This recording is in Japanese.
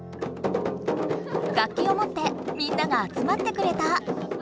楽きをもってみんながあつまってくれた。